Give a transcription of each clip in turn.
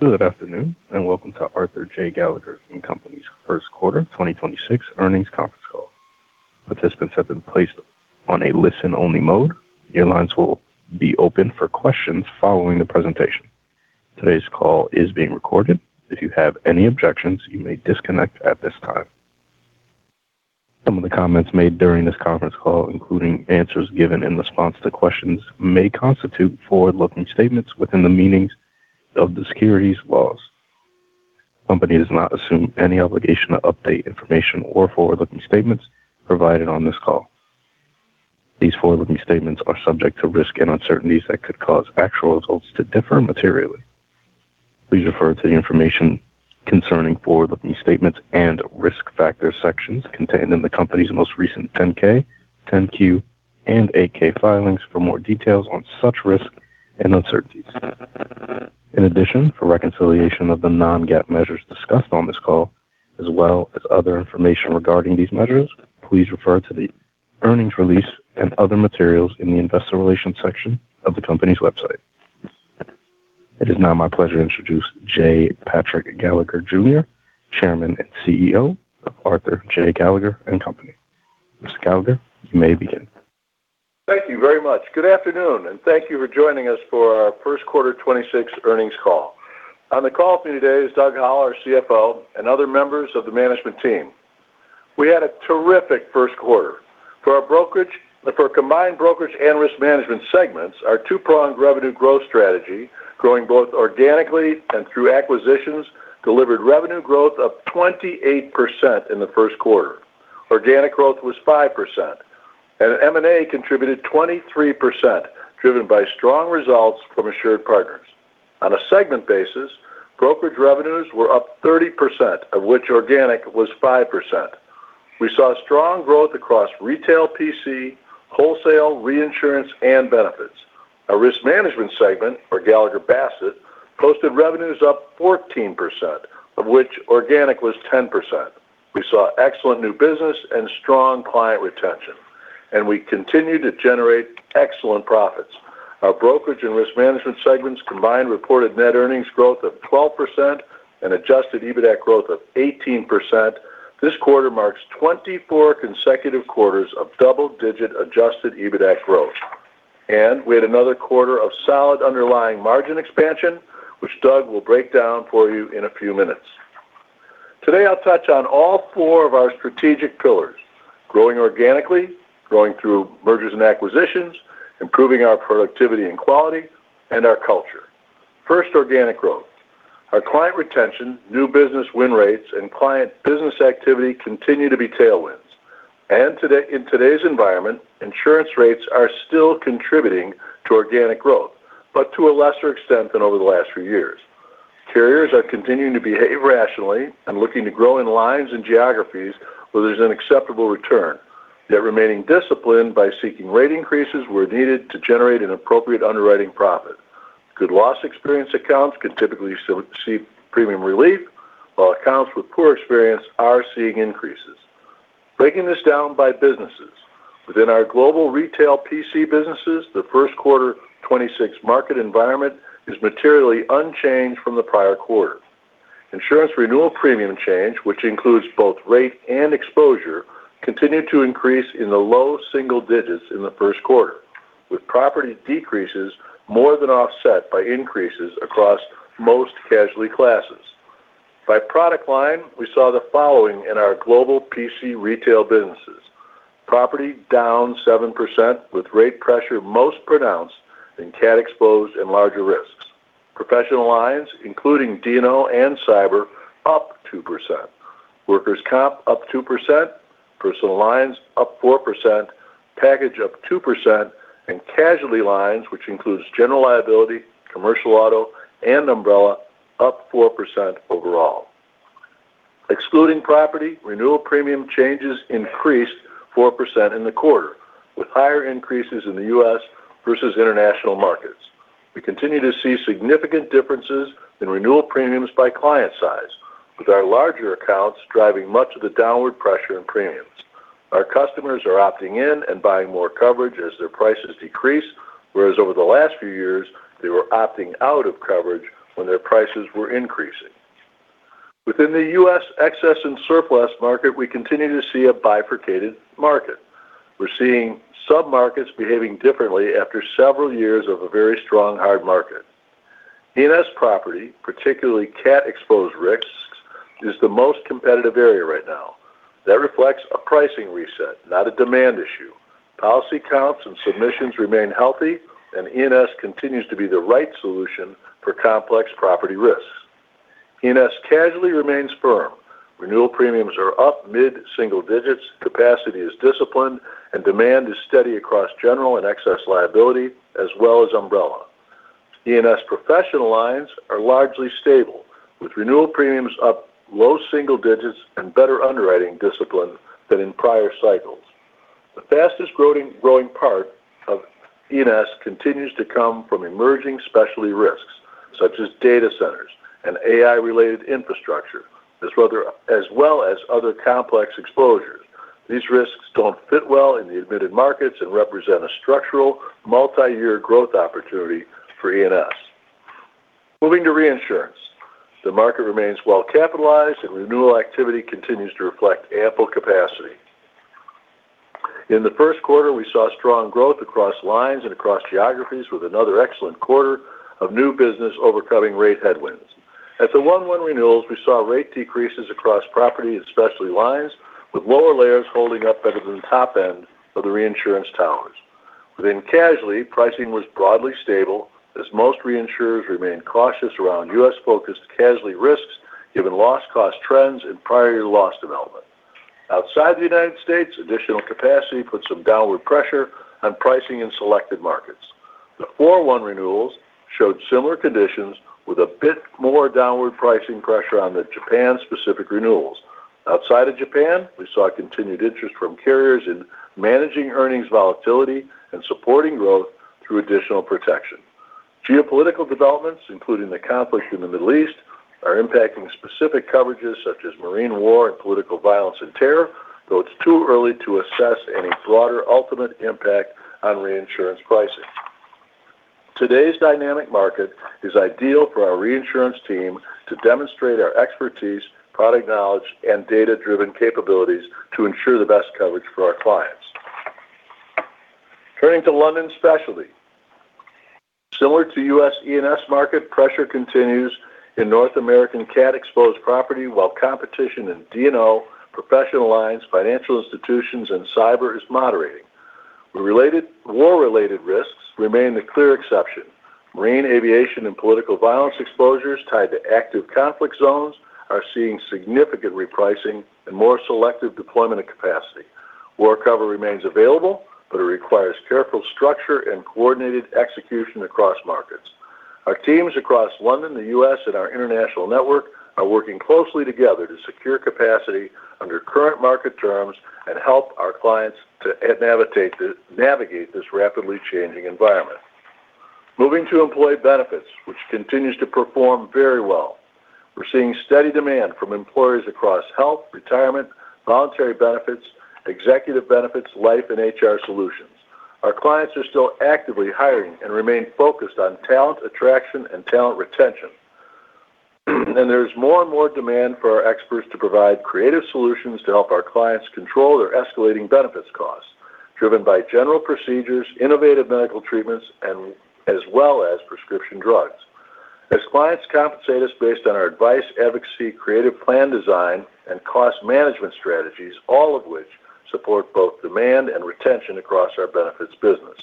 Good afternoon, welcome to Arthur J. Gallagher & Co.'s Q1 2026 earnings conference call. Participants have been placed on a listen-only mode. Your lines will be open for questions following the presentation. Today's call is being recorded. If you have any objections, you may disconnect at this time. Some of the comments made during this conference call, including answers given in response to questions, may constitute forward-looking statements within the meanings of the securities laws. Company does not assume any obligation to update information or forward-looking statements provided on this call. These forward-looking statements are subject to risks and uncertainties that could cause actual results to differ materially. Please refer to the information concerning forward-looking statements and risk factors sections contained in the company's most recent 10-K, 10-Q, and 8-K filings for more details on such risks and uncertainties. In addition, for reconciliation of the non-GAAP measures discussed on this call, as well as other information regarding these measures, please refer to the earnings release and other materials in the investor relations section of the company's website. It is now my pleasure to introduce J. Patrick Gallagher Jr., Chairman and CEO of Arthur J. Gallagher & Co. Mr. Gallagher, you may begin. Thank you very much. Good afternoon, and thank you for joining us for our Q1 of 2026 earnings call. On the call with me today is Doug Howell, our CFO, and other members of the management team. We had a terrific Q1. For combined brokerage and risk management segments, our two-pronged revenue growth strategy, growing both organically and through acquisitions, delivered revenue growth of 28% in the Q1. Organic growth was 5%, and M&A contributed 23%, driven by strong results from AssuredPartners. On a segment basis, brokerage revenues were up 30%, of which organic was 5%. We saw strong growth across retail PC, wholesale, reinsurance, and benefits. Our risk management segment for Gallagher Bassett posted revenues up 14%, of which organic was 10%. We saw excellent new business and strong client retention, and we continued to generate excellent profits. Our brokerage and risk management segments combined reported net earnings growth of 12% and adjusted EBITA growth of 18%. This quarter marks 24 consecutive quarters of double-digit adjusted EBITA growth. We had another quarter of solid underlying margin expansion, which Doug will break down for you in a few minutes. Today, I'll touch on all 4 of our strategic pillars: growing organically, growing through mergers and acquisitions, improving our productivity and quality, and our culture. First, organic growth. Our client retention, new business win rates, and client business activity continue to be tailwinds. In today's environment, insurance rates are still contributing to organic growth, but to a lesser extent than over the last few years. Carriers are continuing to behave rationally and looking to grow in lines and geographies where there's an acceptable return, yet remaining disciplined by seeking rate increases where needed to generate an appropriate underwriting profit. Good loss experience accounts can typically receive premium relief, while accounts with poor experience are seeing increases. Breaking this down by businesses. Within our global retail PC businesses, the Q1 of 2026 market environment is materially unchanged from the prior quarter. Insurance renewal premium change, which includes both rate and exposure, continued to increase in the low single digits in the Q1, with property decreases more than offset by increases across most casualty classes. By product line, we saw the following in our global PC retail businesses. Property down 7%, with rate pressure most pronounced in cat exposed and larger risks. Professional lines, including D&O and cyber, up 2%. Workers' comp up 2%. Personal lines up 4%. Package up 2%. Casualty lines, which includes general liability, commercial auto, and umbrella, up 4% overall. Excluding property, renewal premium changes increased 4% in the quarter, with higher increases in the U.S. versus international markets. We continue to see significant differences in renewal premiums by client size, with our larger accounts driving much of the downward pressure in premiums. Our customers are opting in and buying more coverage as their prices decrease, whereas over the last few years, they were opting out of coverage when their prices were increasing. Within the U.S. excess and surplus market, we continue to see a bifurcated market. We're seeing sub-markets behaving differently after several years of a very strong, hard market. E&S property, particularly cat-exposed risks, is the most competitive area right now. That reflects a pricing reset, not a demand issue. Policy counts and submissions remain healthy, and E&S continues to be the right solution for complex property risks. E&S casualty remains firm. Renewal premiums are up mid-single digits, capacity is disciplined, and demand is steady across general and excess liability, as well as umbrella. E&S professional lines are largely stable, with renewal premiums up low single digits and better underwriting discipline than in prior cycles. The fastest growing part of E&S continues to come from emerging specialty risks, such as data centers and AI-related infrastructure, as well as other complex exposures. These risks don't fit well in the admitted markets and represent a structural multi-year growth opportunity for E&S. Moving to reinsurance. The market remains well-capitalized and renewal activity continues to reflect ample capacity. In the Q1, we saw strong growth across lines and across geographies with another excellent quarter of new business overcoming rate headwinds. At the 1/1 renewals, we saw rate decreases across property and specialty lines, with lower layers holding up better than the top end of the reinsurance towers. Within casualty, pricing was broadly stable as most reinsurers remained cautious around U.S.-focused casualty risks given loss cost trends and prior year loss development. Outside the United States, additional capacity put some downward pressure on pricing in selected markets. The 4/1 renewals showed similar conditions with a bit more downward pricing pressure on the Japan-specific renewals. Outside of Japan, we saw continued interest from carriers in managing earnings volatility and supporting growth through additional protection. Geopolitical developments, including the conflict in the Middle East, are impacting specific coverages such as marine war and political violence and terror, though it's too early to assess any broader ultimate impact on reinsurance pricing. Today's dynamic market is ideal for our reinsurance team to demonstrate our expertise, product knowledge, and data-driven capabilities to ensure the best coverage for our clients. Turning to London specialty. Similar to U.S. E&S market, pressure continues in North American cat-exposed property while competition in D&O, professional lines, financial institutions, and cyber is moderating. War-related risks remain the clear exception. Marine aviation and political violence exposures tied to active conflict zones are seeing significant repricing and more selective deployment of capacity. War cover remains available, but it requires careful structure and coordinated execution across markets. Our teams across London, the U.S., and our international network are working closely together to secure capacity under current market terms and help our clients to navigate this rapidly changing environment. Moving to employee benefits, which continues to perform very well. We're seeing steady demand from employers across health, retirement, voluntary benefits, executive benefits, life, and HR solutions. Our clients are still actively hiring and remain focused on talent attraction and talent retention. There's more and more demand for our experts to provide creative solutions to help our clients control their escalating benefits costs, driven by general procedures, innovative medical treatments, and as well as prescription drugs. As clients compensate us based on our advice, advocacy, creative plan design, and cost management strategies, all of which support both demand and retention across our benefits business.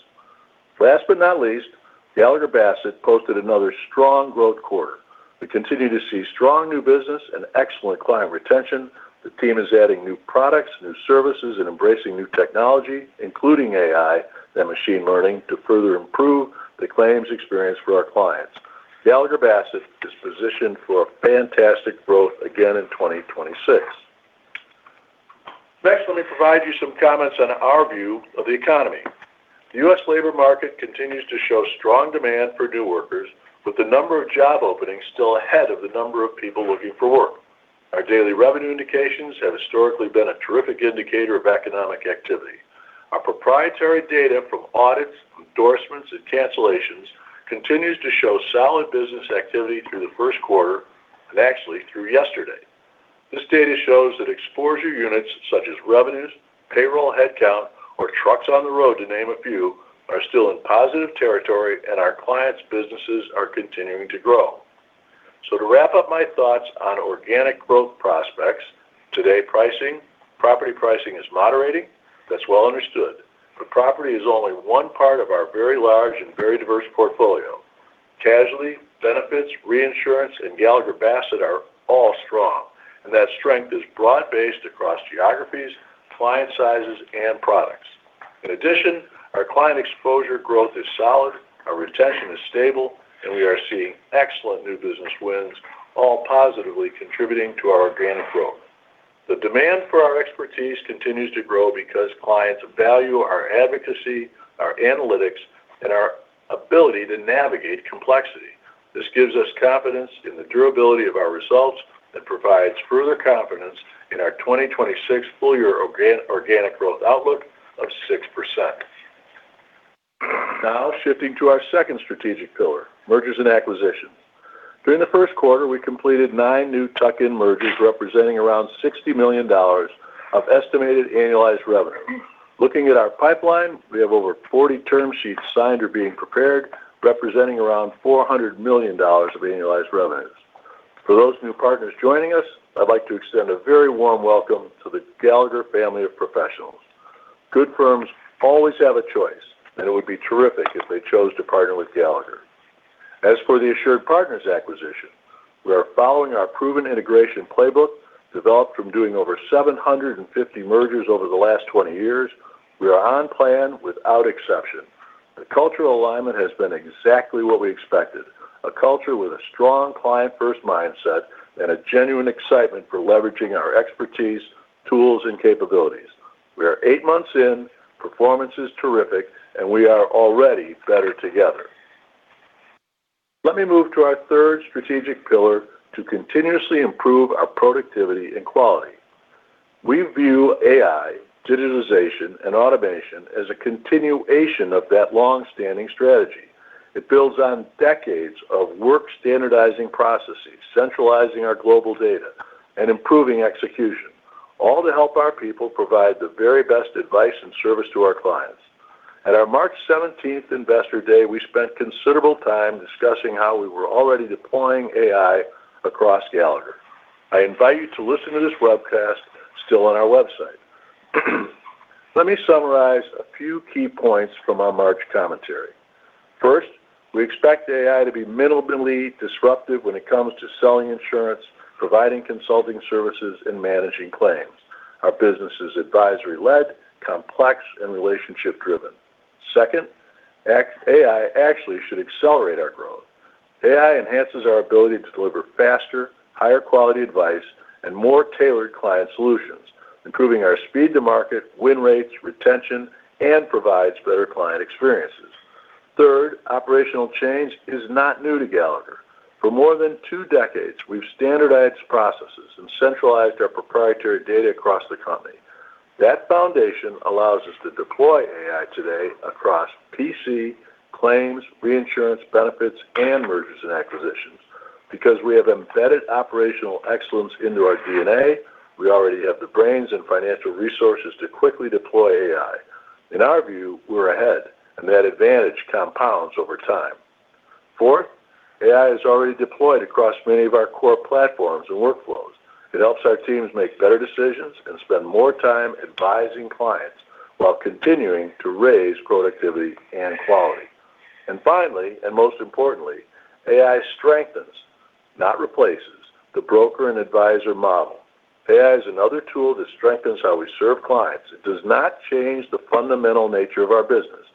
Last but not least, Gallagher Bassett posted another strong growth quarter. We continue to see strong new business and excellent client retention. The team is adding new products, new services, and embracing new technology, including AI and machine learning, to further improve the claims experience for our clients. Gallagher Bassett is positioned for a fantastic growth again in 2026. Next, let me provide you some comments on our view of the economy. The U.S. labor market continues to show strong demand for new workers, with the number of job openings still ahead of the number of people looking for work. Our daily revenue indications have historically been a terrific indicator of economic activity. Our proprietary data from audits, endorsements, and cancellations continues to show solid business activity through the Q1 and actually through yesterday. This data shows that exposure units, such as revenues, payroll headcount, or trucks on the road, to name a few, are still in positive territory, and our clients' businesses are continuing to grow. To wrap up my thoughts on organic growth prospects, today property pricing is moderating. That's well understood. Property is only one part of our very large and very diverse portfolio. Casualty, benefits, reinsurance, and Gallagher Bassett are all strong, and that strength is broad-based across geographies, client sizes, and products. In addition, our client exposure growth is solid, our retention is stable, and we are seeing excellent new business wins, all positively contributing to our organic growth. The demand for our expertise continues to grow because clients value our advocacy, our analytics, and our ability to navigate complexity. This gives us confidence in the durability of our results and provides further confidence in our 2026 full-year organic growth outlook of 6%. Shifting to our second strategic pillar, mergers and acquisitions. During the first quarter, we completed nine new tuck-in mergers representing around $60 million of estimated annualized revenue. Looking at our pipeline, we have over 40 term sheets signed or being prepared, representing around $400 million of annualized revenues. For those new partners joining us, I'd like to extend a very warm welcome to the Gallagher family of professionals. Good firms always have a choice, and it would be terrific if they chose to partner with Gallagher. For the AssuredPartners acquisition, we are following our proven integration playbook developed from doing over 750 mergers over the last 20 years. We are on plan without exception. The cultural alignment has been exactly what we expected, a culture with a strong client-first mindset and a genuine excitement for leveraging our expertise, tools, and capabilities. We are eight months in, performance is terrific, and we are already better together. Let me move to our third strategic pillar to continuously improve our productivity and quality. We view AI, digitization, and automation as a continuation of that long-standing strategy. It builds on decades of work standardizing processes, centralizing our global data, and improving execution, all to help our people provide the very best advice and service to our clients. At our March 17th investor day, we spent considerable time discussing how we were already deploying AI across Gallagher. I invite you to listen to this webcast still on our website. Let me summarize a few key points from our March commentary. We expect AI to be minimally disruptive when it comes to selling insurance, providing consulting services, and managing claims. Our business is advisory-led, complex, and relationship-driven. AI actually should accelerate our growth. AI enhances our ability to deliver faster, higher quality advice, and more tailored client solutions, improving our speed to market, win rates, retention, and provides better client experiences. Operational change is not new to Gallagher. For more than 2 decades, we've standardized processes and centralized our proprietary data across the company. That foundation allows us to deploy AI today across PC claims, reinsurance benefits, and mergers and acquisitions. Because we have embedded operational excellence into our DNA, we already have the brains and financial resources to quickly deploy AI. In our view, we're ahead, and that advantage compounds over time. AI is already deployed across many of our core platforms and workflows. It helps our teams make better decisions and spend more time advising clients while continuing to raise productivity and quality. Finally, and most importantly, AI strengthens, not replaces, the broker and advisor model. AI is another tool that strengthens how we serve clients. It does not change the fundamental nature of our business.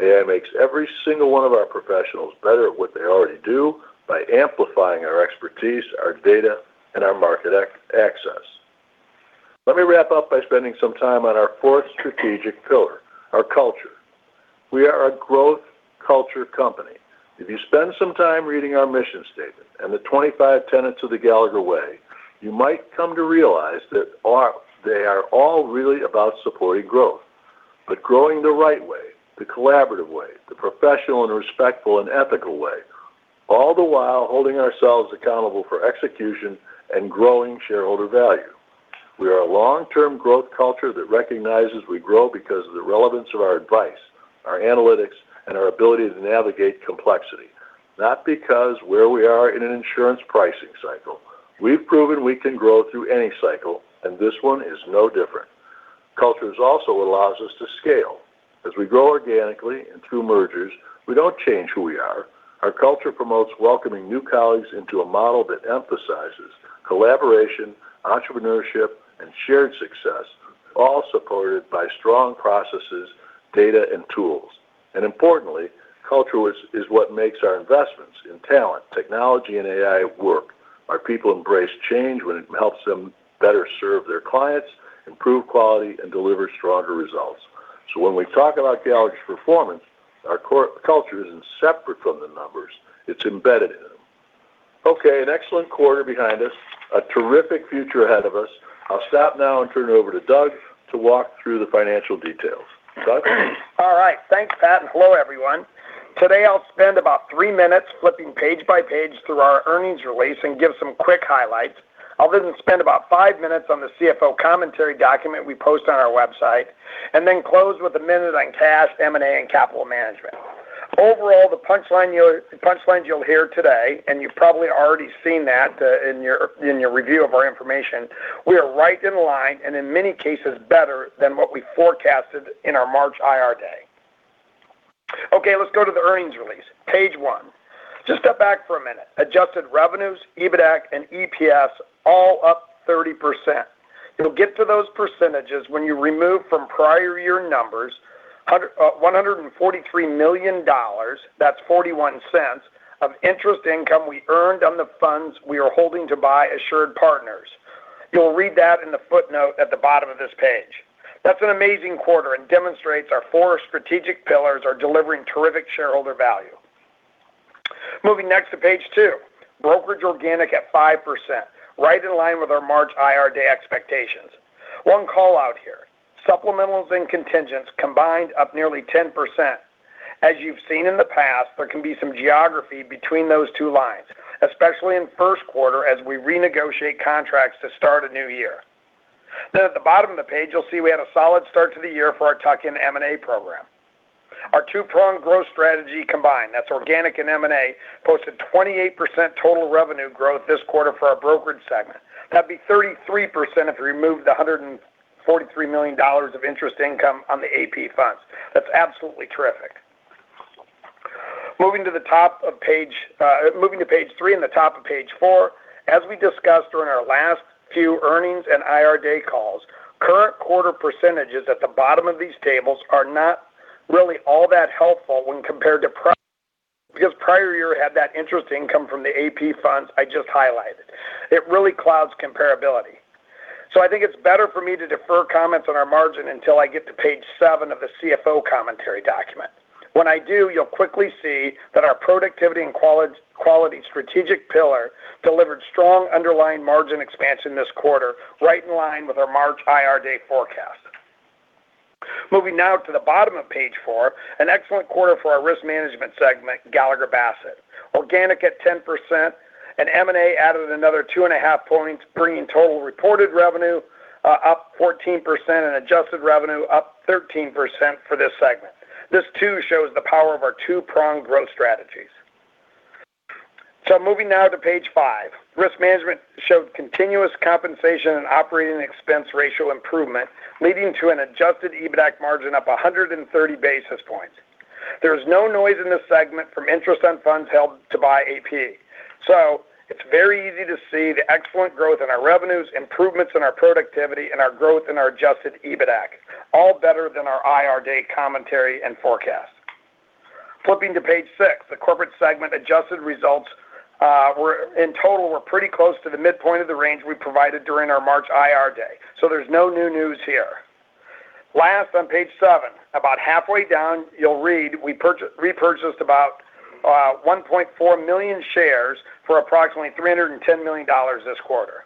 AI makes every single one of our professionals better at what they already do by amplifying our expertise, our data, and our market access. Let me wrap up by spending some time on our fourth strategic pillar, our culture. We are a growth culture company. If you spend some time reading our mission statement and the 25 tenets of the Gallagher Way, you might come to realize that they are all really about supporting growth, but growing the right way, the collaborative way, the professional and respectful and ethical way, all the while holding ourselves accountable for execution and growing shareholder value. We are a long-term growth culture that recognizes we grow because of the relevance of our advice, our analytics, and our ability to navigate complexity, not because where we are in an insurance pricing cycle. We've proven we can grow through any cycle, and this one is no different. Culture is also allows us to scale. As we grow organically and through mergers, we don't change who we are. Our culture promotes welcoming new colleagues into a model that emphasizes collaboration, entrepreneurship, and shared success, all supported by strong processes, data, and tools. Importantly, culture is what makes our investments in talent, technology, and AI work. Our people embrace change when it helps them better serve their clients, improve quality, and deliver stronger results. When we talk about Gallagher's performance, our culture isn't separate from the numbers, it's embedded in them. An excellent quarter behind us, a terrific future ahead of us. I'll stop now and turn it over to Doug to walk through the financial details. Doug? All right. Thanks, Pat, and hello, everyone. Today, I'll spend about three minutes flipping page by page through our earnings release and give some quick highlights. I'll then spend about five minutes on the CFO Commentary document we post on our website, and then close with 1 minute on cash, M&A, and capital management. Overall, the punchlines you'll hear today, and you've probably already seen that in your review of our information, we are right in line and in many cases better than what we forecasted in our March IR day. Okay, let's go to the earnings release, page 1. Just step back for one minute. Adjusted revenues, EBITAC, and EPS all up 30%. You'll get to those percentages when you remove from prior year numbers $143 million, that's $0.41, of interest income we earned on the funds we are holding to buy AssuredPartners. You'll read that in the footnote at the bottom of this page. That's an amazing quarter and demonstrates our four strategic pillars are delivering terrific shareholder value. Moving next to page two, brokerage organic at 5%, right in line with our March IR day expectations. One call-out here, supplementals and contingents combined up nearly 10%. As you've seen in the past, there can be some geography between those two lines, especially in first quarter as we renegotiate contracts to start a new year. At the bottom of the page, you'll see we had a solid start to the year for our tuck-in M&A program. Our two-pronged growth strategy combined, that's organic and M&A, posted 28% total revenue growth this quarter for our brokerage segment. That'd be 33% if you remove the $143 million of interest income on the AP funds. That's absolutely terrific. Moving to the top of page, moving to page three and the top of page four, as we discussed during our last few earnings and IR day calls, current quarter percentages at the bottom of these tables are not really all that helpful when compared to because prior year had that interest income from the AP funds I just highlighted. It really clouds comparability. I think it's better for me to defer comments on our margin until I get to page 7 of the CFO Commentary document. When I do, you'll quickly see that our productivity and quality strategic pillar delivered strong underlying margin expansion this quarter, right in line with our March IR day forecast. Moving now to the bottom of page 4, an excellent quarter for our Risk Management segment, Gallagher Bassett. Organic at 10% and M&A added another 2.5 points, bringing total reported revenue up 14% and adjusted revenue up 13% for this segment. This too shows the power of our two-pronged growth strategies. Moving now to page 5. Risk Management showed continuous compensation and operating expense ratio improvement, leading to an adjusted EBITAC margin up 130 basis points. There is no noise in this segment from interest on funds held to buy AP. It's very easy to see the excellent growth in our revenues, improvements in our productivity, and our growth in our adjusted EBITAC, all better than our IR day commentary and forecast. Flipping to page 6, the corporate segment adjusted results were in total pretty close to the midpoint of the range we provided during our March IR day, so there's no new news here. Last on page 7, about halfway down, you'll read we repurchased about 1.4 million shares for approximately $310 million this quarter.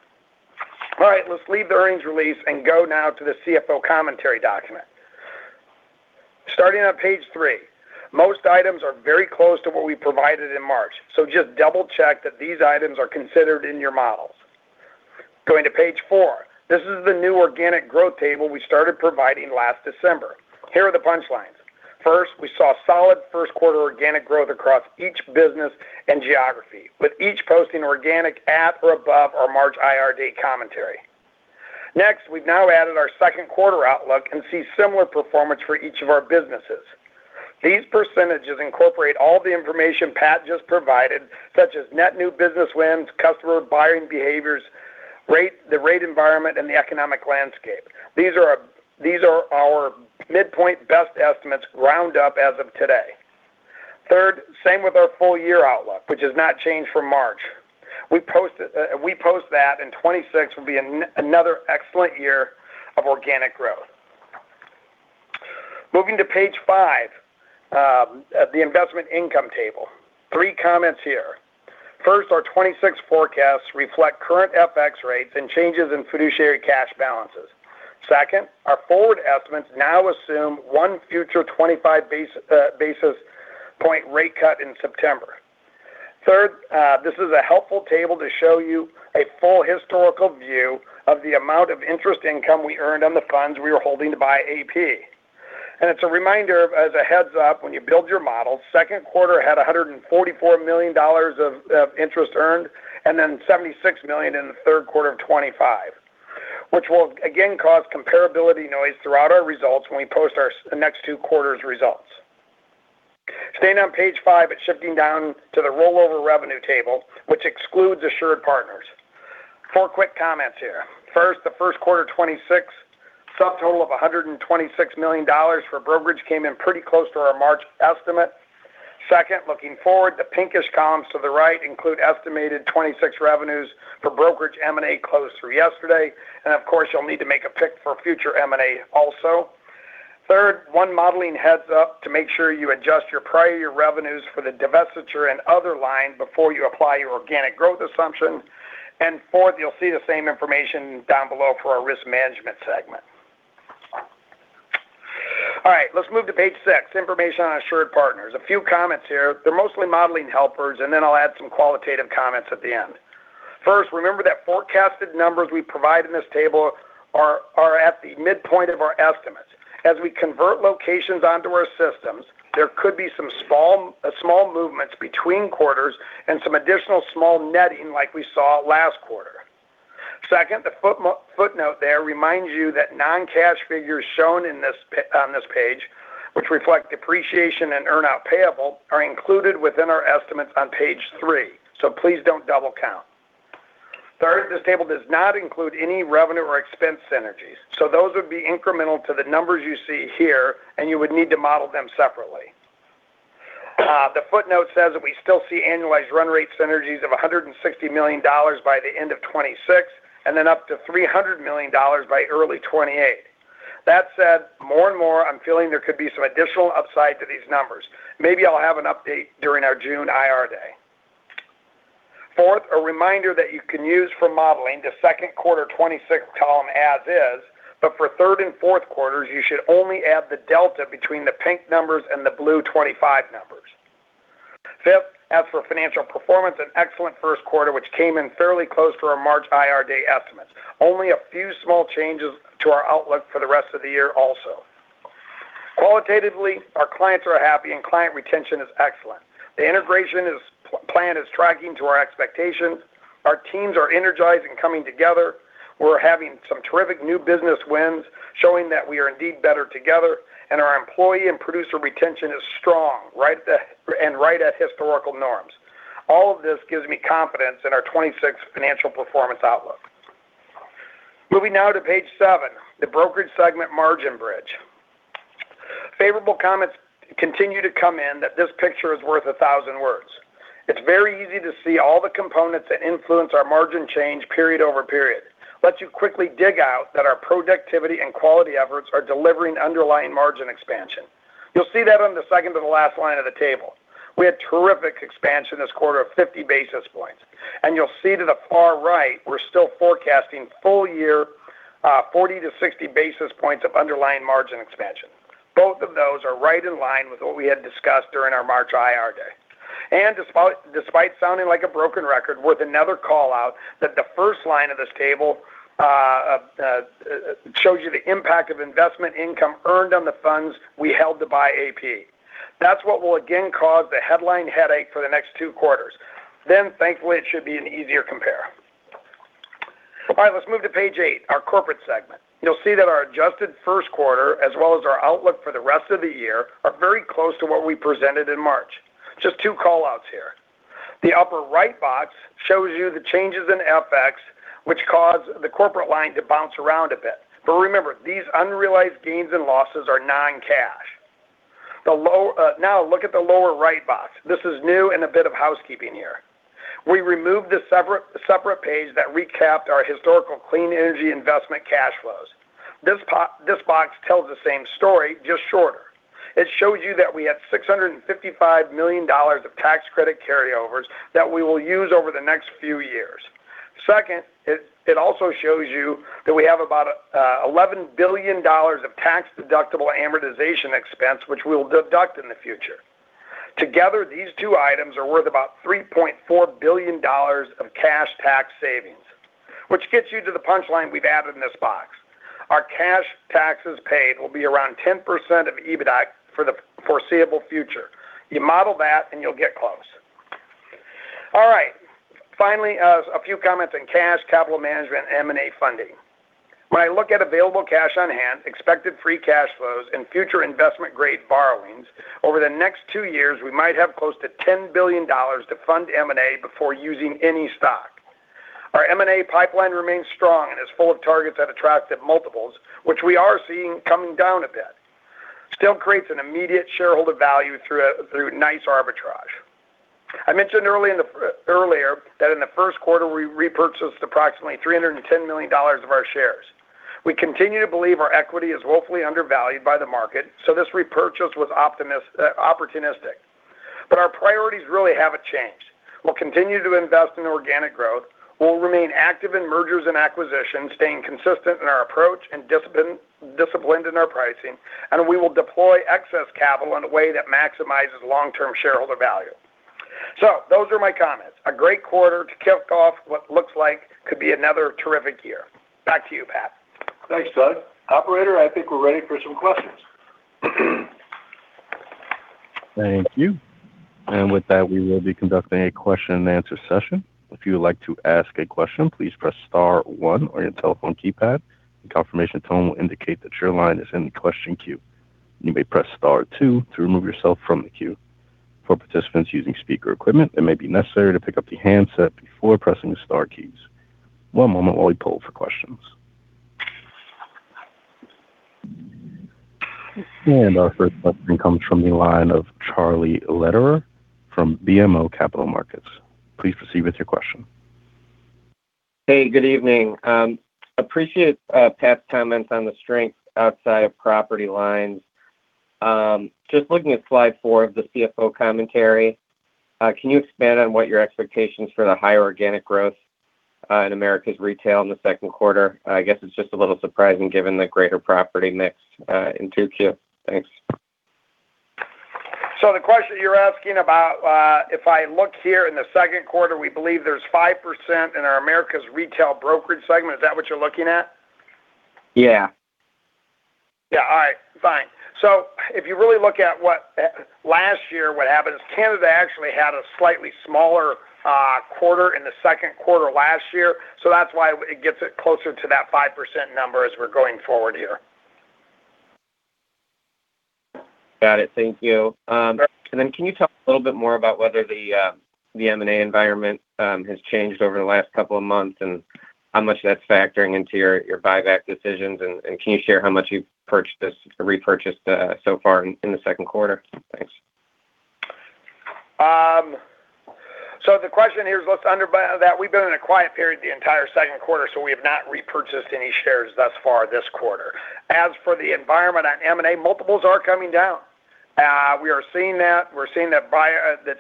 All right, let's leave the earnings release and go now to the CFO Commentary document. Starting on page 3, most items are very close to what we provided in March, so just double-check that these items are considered in your models. Going to page 4. This is the new organic growth table we started providing last December. Here are the punchlines. First, we saw solid Q1 organic growth across each business and geography, with each posting organic at or above our March IR day commentary. Next, we've now added our Q2 outlook and see similar performance for each of our businesses. These percentages incorporate all the information Pat just provided, such as net new business wins, customer buying behaviors, rate, the rate environment, and the economic landscape. These are our midpoint best estimates roundup as of today. Third, same with our full year outlook, which has not changed from March. We post that 2026 will be another excellent year of organic growth. Moving to page 5, the investment income table. 3 comments here. First, our 2026 forecasts reflect current FX rates and changes in fiduciary cash balances. Second, our forward estimates now assume one future 25 basis point rate cut in September. Third, this is a helpful table to show you a full historical view of the amount of interest income we earned on the funds we were holding to buy AP. It's a reminder as a heads-up when you build your model, second quarter had $144 million of interest earned, and then $76 million in the Q3 of 2025, which will again cause comparability noise throughout our results when we post our next two quarters results. Staying on page 5, it's shifting down to the rollover revenue table, which excludes AssuredPartners. 4 quick comments here. First, the first quarter 2026 subtotal of $126 million for brokerage came in pretty close to our March estimate. Second, looking forward, the pinkish columns to the right include estimated 26 revenues for brokerage M&A closed through yesterday. Of course, you'll need to make a pick for future M&A also. Third, 1 modeling heads up to make sure you adjust your prior year revenues for the divestiture and other line before you apply your organic growth assumption. Fourth, you'll see the same information down below for our risk management segment. All right, let's move to page 6, information on AssuredPartners. A few comments here. They're mostly modeling helpers, and then I'll add some qualitative comments at the end. First, remember that forecasted numbers we provide in this table are at the midpoint of our estimates. As we convert locations onto our systems, there could be some small movements between quarters and some additional small netting like we saw last quarter. Second, the footnote there reminds you that non-cash figures shown on this page, which reflect depreciation and earn out payable, are included within our estimates on page 3. Please don't double count. Third, this table does not include any revenue or expense synergies. Those would be incremental to the numbers you see here, and you would need to model them separately. The footnote says that we still see annualized run rate synergies of $160 million by the end of 2026, and then up to $300 million by early 2028. That said, more and more, I'm feeling there could be some additional upside to these numbers. Maybe I'll have an update during our June IR day. Fourth, a reminder that you can use for modeling the second quarter 2026 column as is, but for third and fourth quarters, you should only add the delta between the pink numbers and the blue 2025 numbers. Fifth, as for financial performance, an excellent first quarter, which came in fairly close to our March IR day estimates. Only a few small changes to our outlook for the rest of the year also. Qualitatively, our clients are happy and client retention is excellent. The integration plan is tracking to our expectations. Our teams are energized and coming together. We're having some terrific new business wins, showing that we are indeed better together, and our employee and producer retention is strong, right at historical norms. All of this gives me confidence in our 2026 financial performance outlook. Moving now to page 7, the brokerage segment margin bridge. Favorable comments continue to come in that this picture is worth a 1,000 words. It's very easy to see all the components that influence our margin change period over period. Lets you quickly dig out that our productivity and quality efforts are delivering underlying margin expansion. You'll see that on the second to the last line of the table. We had terrific expansion this quarter of 50 basis points. You'll see to the far right, we're still forecasting full year 40-60 basis points of underlying margin expansion. Both of those are right in line with what we had discussed during our March IR day. Despite sounding like a broken record, worth another call-out that the first line of this table shows you the impact of investment income earned on the funds we held to buy AP. That's what will again cause the headline headache for the next 2 quarters. Thankfully, it should be an easier compare. All right, let's move to page 8, our corporate segment. You'll see that our adjusted first quarter, as well as our outlook for the rest of the year, are very close to what we presented in March. Just 2 call-outs here. The upper right box shows you the changes in FX, which cause the corporate line to bounce around a bit. Remember, these unrealized gains and losses are non-cash. Now, look at the lower right box. This is new and a bit of housekeeping here. We removed the separate page that recapped our historical clean energy investment cash flows. This box tells the same story, just shorter. It shows you that we had $655 million of tax credit carryovers that we will use over the next few years. Second, it also shows you that we have about $11 billion of tax-deductible amortization expense, which we'll deduct in the future. Together, these two items are worth about $3.4 billion of cash tax savings, which gets you to the punchline we've added in this box. Our cash taxes paid will be around 10% of EBITI for the foreseeable future. You model that, you'll get close. All right. Finally, a few comments on cash, capital management, M&A funding. When I look at available cash on hand, expected free cash flows, and future investment grade borrowings, over the next two years, we might have close to $10 billion to fund M&A before using any stock. Our M&A pipeline remains strong and is full of targets at attractive multiples, which we are seeing coming down a bit. Still creates an immediate shareholder value through nice arbitrage. I mentioned earlier that in the Q1, we repurchased approximately $310 million of our shares. We continue to believe our equity is woefully undervalued by the market, this repurchase was opportunistic. Our priorities really haven't changed. We'll continue to invest in organic growth. We'll remain active in mergers and acquisitions, staying consistent in our approach and disciplined in our pricing, and we will deploy excess capital in a way that maximizes long-term shareholder value. Those are my comments. A great quarter to kick off what looks like could be another terrific year. Back to you, Pat. Thanks, Doug. Operator, I think we're ready for some questions. Thank you. With that, we will be conducting a question and answer session. Our first question comes from the line of Charles Lederer from BMO Capital Markets. Please proceed with your question. Hey, good evening. Appreciate Pat's comments on the strength outside of property lines. Just looking at slide 4 of the CFO Commentary, can you expand on what your expectations for the higher organic growth in America's Retail in the Q2? I guess it's just a little surprising given the greater property mix in 2Q. Thanks. The question you're asking about, if I look here in the second quarter, we believe there's 5% in our America's Retail brokerage segment. Is that what you're looking at? Yeah. Yeah. All right, fine. If you really look at what last year, what happened is Canada actually had a slightly smaller quarter in the second quarter last year. That's why it gets it closer to that 5% number as we're going forward here. Got it. Thank you. Sure. Can you talk a little bit more about whether the M&A environment has changed over the last two months and how much that's factoring into your buyback decisions? Can you share how much you've repurchased so far in 2Q? Thanks. The question here is, let's under by that, we've been in a quiet period the entire second quarter, so we have not repurchased any shares thus far this quarter. As for the environment on M&A, multiples are coming down. We are seeing that. We're seeing that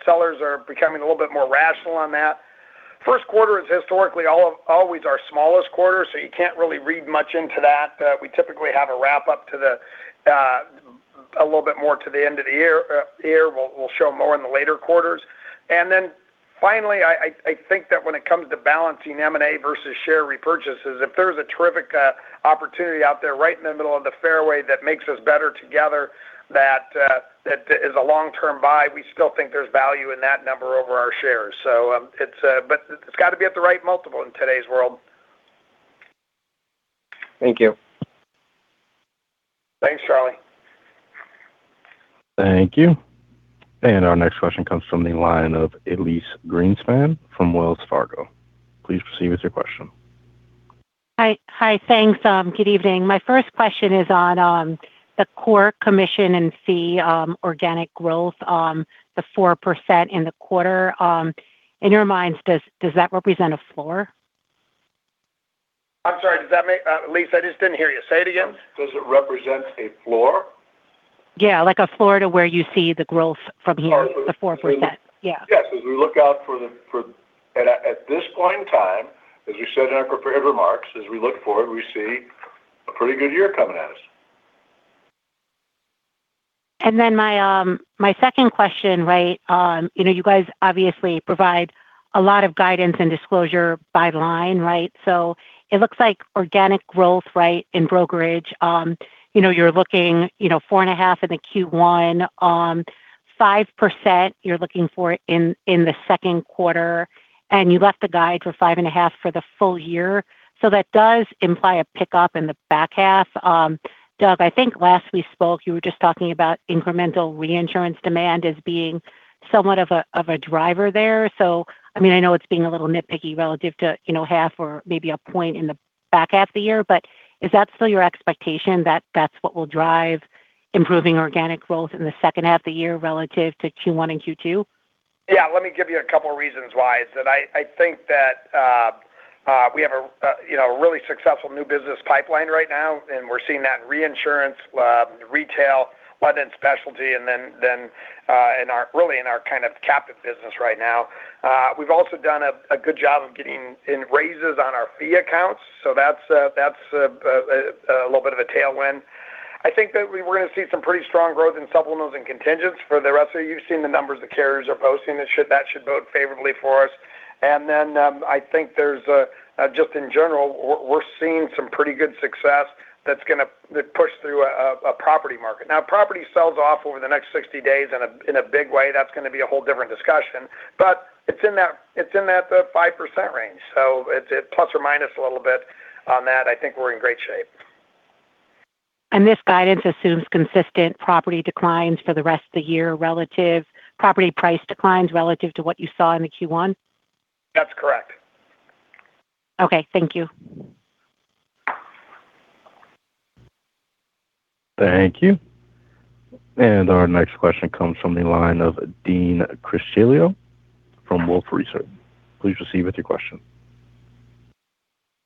sellers are becoming a little bit more rational on that. First quarter is historically always our smallest quarter, you can't really read much into that. We typically have a wrap-up to the a little bit more to the end of the year. We'll, we'll show more in the later quarters. Then finally, I think that when it comes to balancing M&A versus share repurchases, if there's a terrific opportunity out there right in the middle of the fairway that makes us better together that is a long-term buy, we still think there's value in that number over our shares. It's got to be at the right multiple in today's world. Thank you. Thanks, Charlie. Thank you. Our next question comes from the line of Elyse Greenspan from Wells Fargo. Please proceed with your question. Hi. Hi. Thanks. good evening. My first question is on, the core commission and fee, organic growth on the 4% in the quarter. In your minds, does that represent a floor? I'm sorry, does that mean? Elyse, I just didn't hear you. Say it again. Does it represent a floor? Yeah, like a floor to where you see the growth from here? Oh, The 4%. Yeah. Yes. As we look out for the, At this point in time, as we said in our prepared remarks, as we look forward, we see a pretty good year coming at us. My second question, right? You know, you guys obviously provide a lot of guidance and disclosure by line, right? It looks like organic growth, right, in brokerage, you know, you're looking, you know, 4.5% in the Q1, 5% you're looking for in the second quarter, and you left the guide for 5.5% for the full year. That does imply a pickup in the back half. Doug, I think last we spoke, you were just talking about incremental reinsurance demand as being somewhat of a driver there. I mean, I know it's being a little nitpicky relative to, you know, half or maybe a point in the back half of the year, but is that still your expectation that that's what will drive improving organic growth in the second half of the year relative to Q1 and Q2? Yeah. Let me give you a couple of reasons why. I think that we have a, you know, a really successful new business pipeline right now, and we're seeing that in reinsurance, retail, London specialty, and then really in our kind of captive business right now. We've also done a good job of getting in raises on our fee accounts, that's a little bit of a tailwind. I think that we were going to see some pretty strong growth in supplementals and contingents for the rest of the year. You've seen the numbers the carriers are posting. That should bode favorably for us. I think there's just in general, we're seeing some pretty good success that pushed through a property market. Now, property sells off over the next 60 days in a big way. That's going to be a whole different discussion. It's in that 5% range. It's at plus or minus a little bit on that. I think we're in great shape. This guidance assumes consistent property price declines relative to what you saw in the Q1? That's correct. Okay. Thank you. Thank you. Our next question comes from the line of Dean Castillo from Wolfe Research. Please proceed with your question.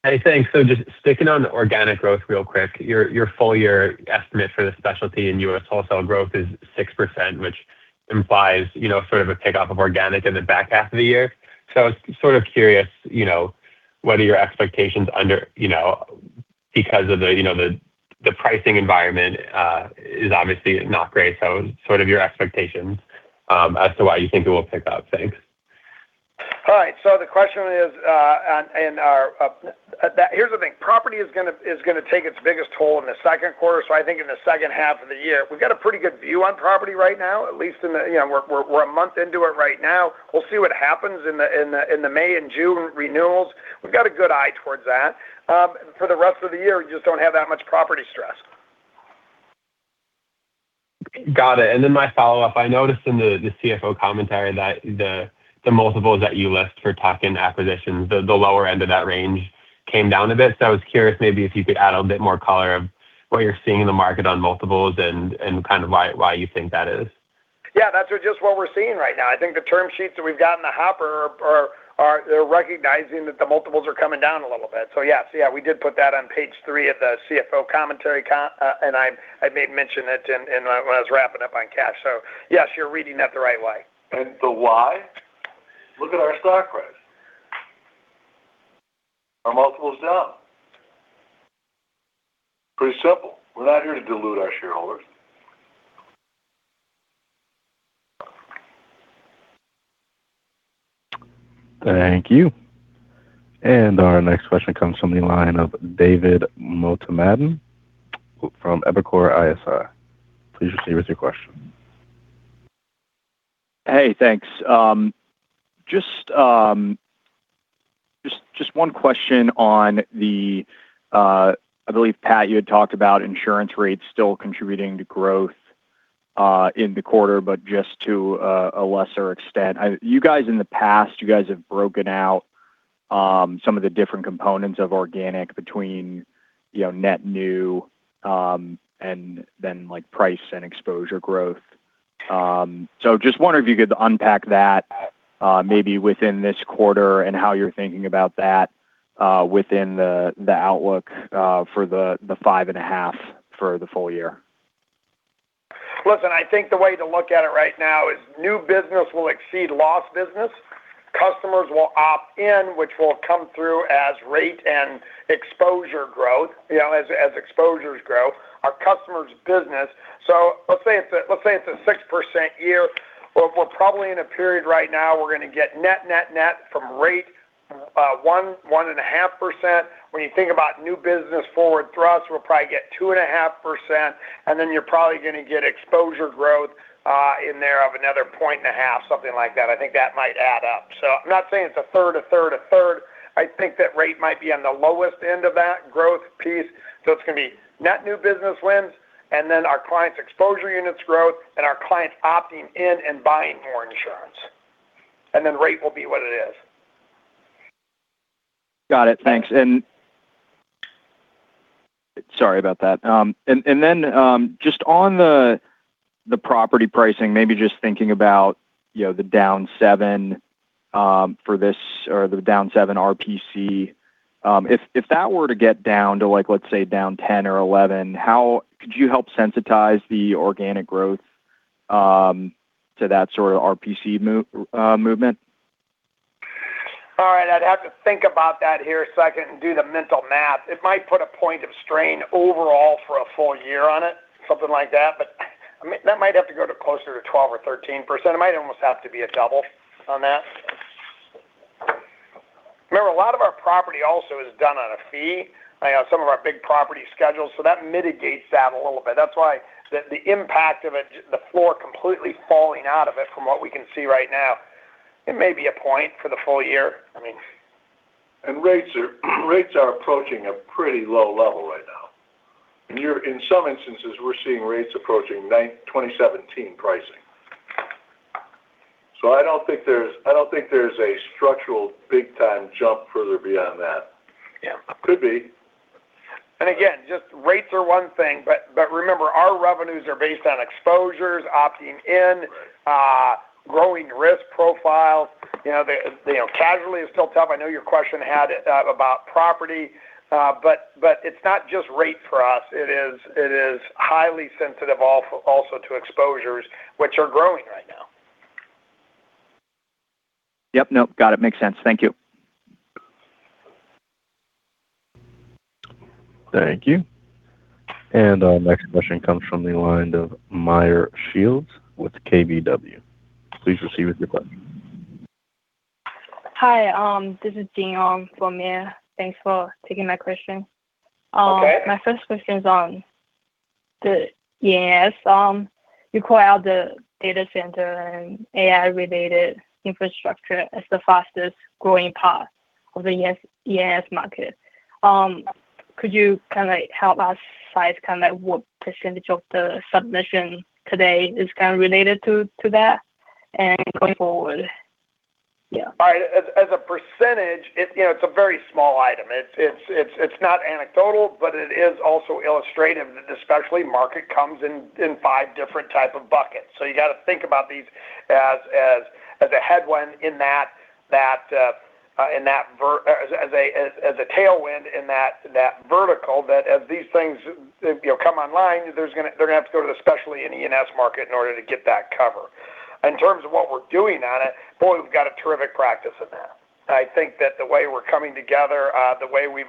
Hey, thanks. Just sticking on the organic growth real quick. Your full year estimate for the specialty in U.S. wholesale growth is 6%, which implies, you know, sort of a takeoff of organic in the back half of the year. I was sort of curious, you know, what are your expectations under, you know, because of the, you know, the pricing environment is obviously not great. Sort of your expectations as to why you think it will pick up. Thanks. All right. The question is. Here's the thing, property is going to take its biggest toll in the second quarter. I think in the second half of the year. We've got a pretty good view on property right now. You know, we're a month into it right now. We'll see what happens in the May and June renewals. We've got a good eye towards that. For the rest of the year, we just don't have that much property stress. Got it. My follow-up, I noticed in the CFO Commentary that the multiples that you list for tuck-in acquisitions, the lower end of that range came down a bit. I was curious maybe if you could add a bit more color of what you're seeing in the market on multiples and kind of why you think that is. Yeah. That's just what we're seeing right now. I think the term sheets that we've got in the hopper are recognizing that the multiples are coming down a little bit. Yeah. Yeah, we did put that on page 3 of the CFO Commentary, and I made mention it in when I was wrapping up on cash. Yes, you're reading that the right way. The why, look at our stock price. Our multiple's down. Pretty simple. We're not here to dilute our shareholders. Thank you. Our next question comes from the line of David Motemaden from Evercore ISI. Please proceed with your question. Hey, thanks. Just one question on the... I believe, Pat, you had talked about insurance rates still contributing to growth in the quarter, but just to a lesser extent. You guys, in the past, you guys have broken out some of the different components of organic between, you know, net new, and then, like, price and exposure growth. Just wondering if you could unpack that maybe within this quarter and how you're thinking about that within the outlook for the 5.5 for the full year. Listen, I think the way to look at it right now is new business will exceed lost business. Customers will opt in, which will come through as rate and exposure growth, you know, as exposures grow. Our customers' business. Let's say it's a 6% year. We're probably in a period right now we're going to get net, net from rate 1.5%. When you think about new business forward thrust, we'll probably get 2.5%, then you're probably going to get exposure growth in there of another 1.5 points, something like that. I think that might add up. I'm not saying it's a third, a third, a third. I think that rate might be on the lowest end of that growth piece. It's going to be net new business wins, and then our clients' exposure units growth and our clients opting in and buying more insurance. Rate will be what it is. Got it. Thanks. Sorry about that. Just on the property pricing, maybe just thinking about, you know, the down 7 for this or the down 7 RPC. If that were to get down to like let's say down 10 or 11, how could you help sensitize the organic growth to that sort of RPC movement? All right. I'd have to think about that here a second and do the mental math. It might put a point of strain overall for a full year on it, something like that. I mean, that might have to go to closer to 12 or 13%. It might almost have to be a double on that. Remember, a lot of our property also is done on a fee. I know some of our big property schedules, that mitigates that a little bit. That's why the impact of it, the floor completely falling out of it from what we can see right now, it may be a point for the full year. I mean. Rates are approaching a pretty low level right now. In some instances, we're seeing rates approaching 2017 pricing. I don't think there's a structural big time jump further beyond that. Yeah. Could be. Again, just rates are 1 thing, but remember our revenues are based on exposures opting in. Right... growing risk profiles. You know, the, you know, casualty is still tough. I know your question had about property, but it's not just rate for us. It is highly sensitive also to exposures which are growing right now. Yep. Nope. Got it. Makes sense. Thank you. Thank you. Our next question comes from the line of Meyer Shields with KBW. Please proceed with your question. Hi, this is Jing on from Meyer. Thanks for taking my question. Okay. My first question is on the E&S. You call out the data center and AI related infrastructure as the fastest growing part of the E&S market. Could you kind of help us size kind of like what percentage of the submission today is kind of related to that and going forward? Yeah. All right. As a percentage, it's, you know, it's a very small item. It's not anecdotal, but it is also illustrative that the specialty market comes in 5 different type of buckets. You got to think about these as a headwind in that as a tailwind in that vertical that as these things, you know, come online, they're going tohave to go to the specialty and E&S market in order to get that cover. In terms of what we're doing on it, boy, we've got a terrific practice in that. I think that the way we're coming together, the way we've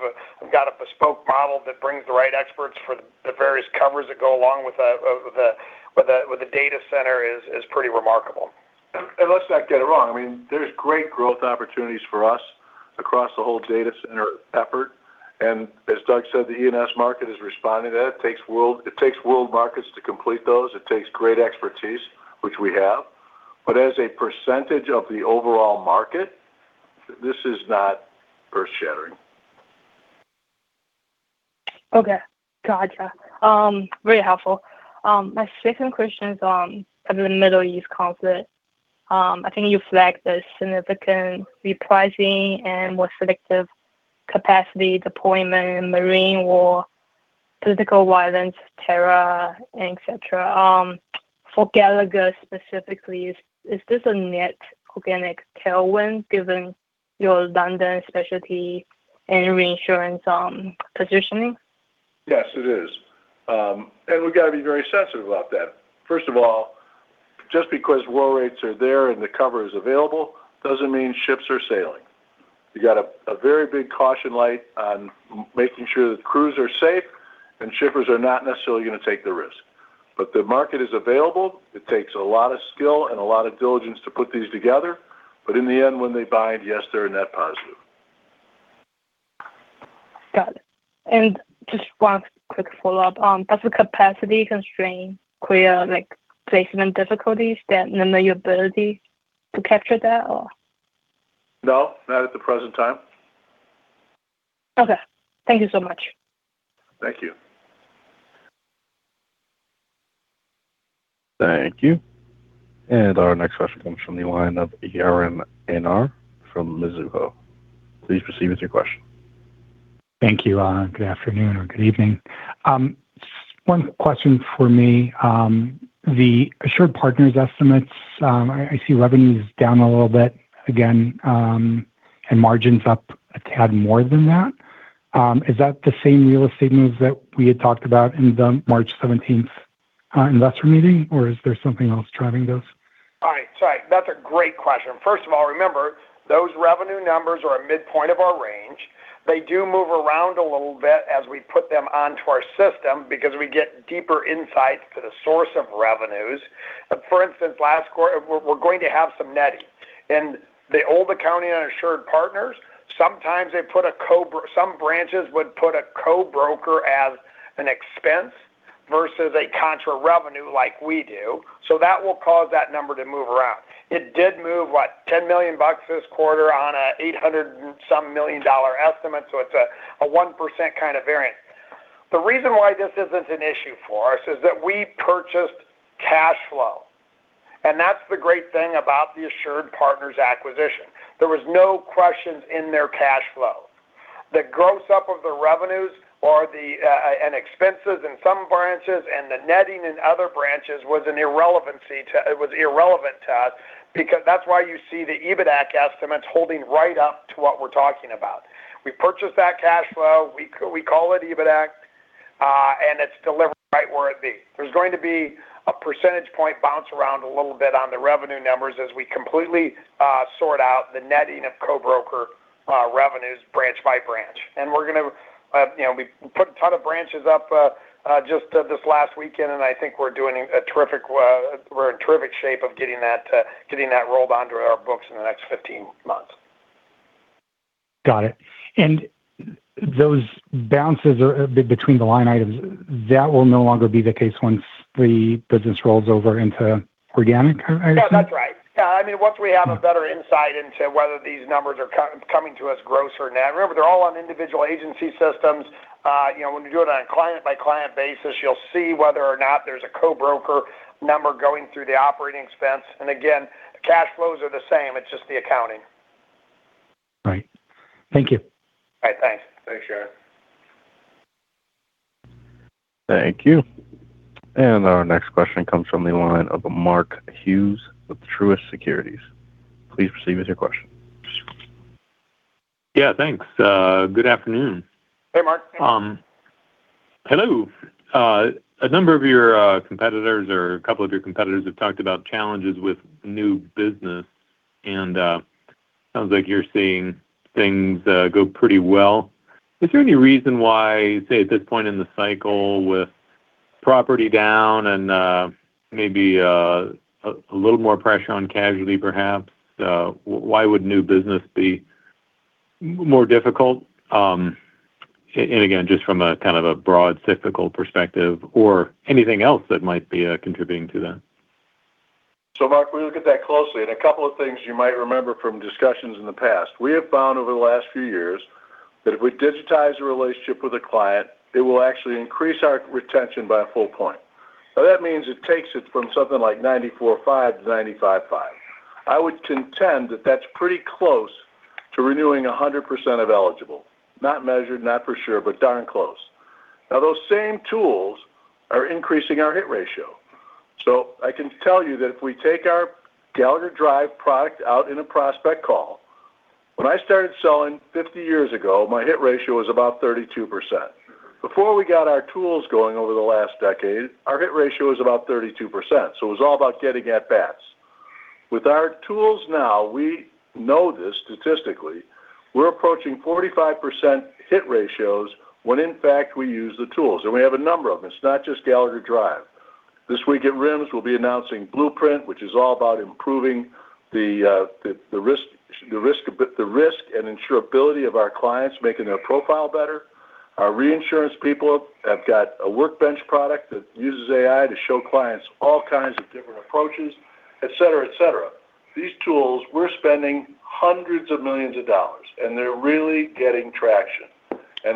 got a bespoke model that brings the right experts for the various covers that go along with the data center is pretty remarkable. Let's not get it wrong. I mean, there's great growth opportunities for us across the whole data center effort. As Doug said, the E&S market is responding to that. It takes world markets to complete those. It takes great expertise, which we have. As a % of the overall market, this is not earth shattering. Okay. Got you. Very helpful. My second question is on kind of the Middle East conflict. I think you flagged a significant repricing and more selective capacity deployment in marine war, political violence, terror, et cetera. For Gallagher specifically, is this a net organic tailwind given your London specialty and reinsurance positioning? Yes, it is. We've got to be very sensitive about that. First of all, just because well rates are there and the cover is available doesn't mean ships are sailing. You got a very big caution light on making sure the crews are safe, and shippers are not necessarily going to take the risk. The market is available. It takes a lot of skill and a lot of diligence to put these together. In the end, when they bind, yes, they're a net positive. Got it. Just 1 quick follow-up. Does the capacity constraint clear, like, placement difficulties that limit your ability to capture that or? No, not at the present time. Okay. Thank you so much. Thank you. Thank you. Our next question comes from the line of Analyst from Mizuho. Please proceed with your question. Thank you. Good afternoon or good evening. One question for me. The AssuredPartners estimates, I see revenue is down a little bit again, and margins up a tad more than that. Is that the same real estate moves that we had talked about in the March 17th investor meeting, or is there something else driving those? All right. Sorry. That's a great question. First of all, remember, those revenue numbers are a midpoint of our range. They do move around a little bit as we put them onto our system because we get deeper insights to the source of revenues. For instance, last quarter, we're going to have some netting. In the old accounting on AssuredPartners, sometimes they put a co-broker as an expense versus a contra revenue like we do. That will cause that number to move around. It did move, what, $10 million this quarter on a $800 and some million estimate, a 1% kind of variance. The reason why this isn't an issue for us is that we purchased cash flow, and that's the great thing about the AssuredPartners acquisition. There was no questions in their cash flow. The gross up of the revenues or the and expenses in some branches and the netting in other branches was irrelevant to us because that's why you see the EBITDAC estimates holding right up to what we're talking about. We purchased that cash flow. We call it EBITDAC, and it's delivered right where it be. There's going to be a percentage point bounce around a little bit on the revenue numbers as we completely sort out the netting of co-broker revenues branch by branch. We're going to, you know, we put a ton of branches up, just this last weekend, and I think we're doing a terrific, we're in terrific shape of getting that, getting that rolled onto our books in the next 15 months. Got it. Those bounces or between the line items, that will no longer be the case once the business rolls over into organic, I assume? No, that's right. I mean, once we have a better insight into whether these numbers are coming to us gross or net. Remember, they're all on individual agency systems. You know, when you do it on a client-by-client basis, you'll see whether or not there's a co-broker number going through the operating expense. Again, cash flows are the same. It's just the accounting. Right. Thank you. All right. Thanks. Thanks, Jared. Thank you. Our next question comes from the line of Mark Hughes with Truist Securities. Please proceed with your question. Yeah, thanks. Good afternoon. Hey, Mark. Hello. A number of your competitors or a couple of your competitors have talked about challenges with new business and sounds like you're seeing things go pretty well. Is there any reason why, say, at this point in the cycle with property down and maybe a little more pressure on casualty perhaps, why would new business be more difficult? Again, just from a kind of a broad cyclical perspective or anything else that might be contributing to that. Mark, we look at that closely, and a couple of things you might remember from discussions in the past. We have found over the last few years that if we digitize a relationship with a client, it will actually increase our retention by a full point. That means it takes it from something like 94.5 to 95.5. I would contend that that's pretty close to renewing 100% of eligible. Not measured, not for sure, but darn close. Those same tools are increasing our hit ratio. I can tell you that if we take our Gallagher Drive product out in a prospect call, when I started selling 50 years ago, my hit ratio was about 32%. Before we got our tools going over the last decade, our hit ratio was about 32%, so it was all about getting at-bats. With our tools now, we know this statistically, we're approaching 45% hit ratios when in fact we use the tools. We have a number of them. It's not just Gallagher Drive. This week at RIMS, we'll be announcing Blueprint, which is all about improving the risk and insurability of our clients, making their profile better. Our reinsurance people have got a workbench product that uses AI to show clients all kinds of different approaches, et cetera, et cetera. These tools, we're spending $hundreds of millions, they're really getting traction.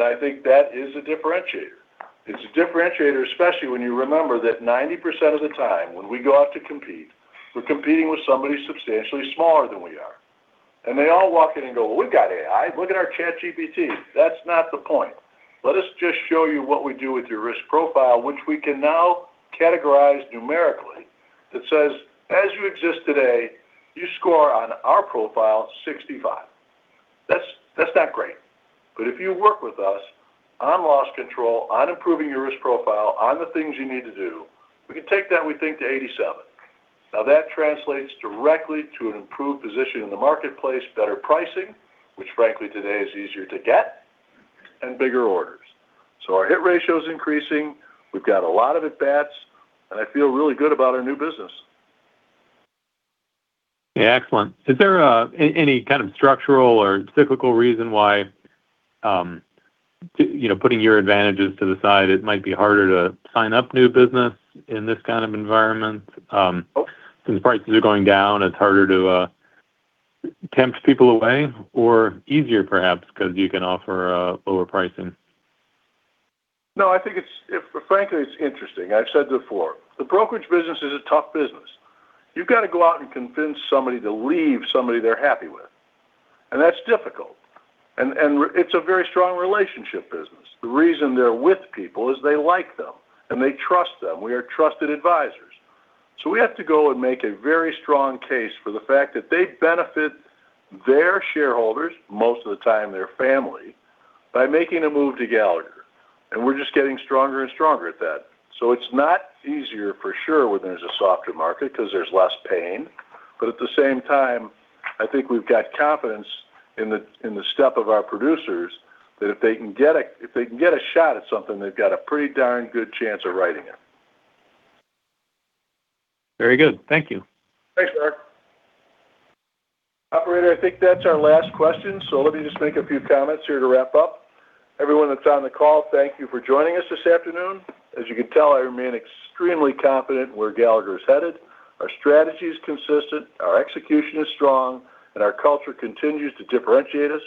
I think that is a differentiator. It's a differentiator, especially when you remember that 90% of the time when we go out to compete, we're competing with somebody substantially smaller than we are. They all walk in and go, "Well, we've got AI. Look at our ChatGPT. That's not the point. Let us just show you what we do with your risk profile, which we can now categorize numerically that says, as you exist today, you score on our profile 65. That's, that's not great. If you work with us on loss control, on improving your risk profile, on the things you need to do, we can take that, we think, to 87. That translates directly to an improved position in the marketplace, better pricing, which frankly today is easier to get, and bigger orders. Our hit ratio is increasing. We've got a lot of at-bats, and I feel really good about our new business. Yeah. Excellent. Is there any kind of structural or cyclical reason why, you know, putting your advantages to the side, it might be harder to sign up new business in this kind of environment? Since prices are going down, it's harder to tempt people away or easier perhaps 'cause you can offer lower pricing. No, I think it's frankly, it's interesting. I've said before, the brokerage business is a tough business. You've got to go out and convince somebody to leave somebody they're happy with, that's difficult. It's a very strong relationship business. The reason they're with people is they like them and they trust them. We are trusted advisors. We have to go and make a very strong case for the fact that they benefit their shareholders, most of the time their family, by making a move to Gallagher, we're just getting stronger and stronger at that. It's not easier for sure when there's a softer market 'cause there's less pain. At the same time, I think we've got confidence in the step of our producers that if they can get a shot at something, they've got a pretty darn good chance of writing it. Very good. Thank you. Thanks, Mark. Operator, I think that's our last question. Let me just make a few comments here to wrap up. Everyone that's on the call, thank you for joining us this afternoon. As you can tell, I remain extremely confident where Gallagher is headed. Our strategy is consistent, our execution is strong, and our culture continues to differentiate us.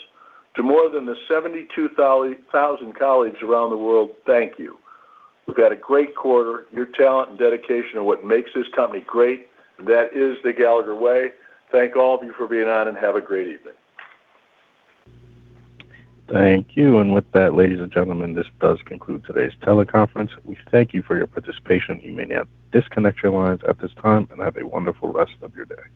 To more than the 72,000 colleagues around the world, thank you. We've got a great quarter. Your talent and dedication are what makes this company great. That is the Gallagher Way. Thank all of you for being on, and have a great evening. Thank you. With that, ladies and gentlemen, this does conclude today's teleconference. We thank you for your participation. You may now disconnect your lines at this time, and have a wonderful rest of your day.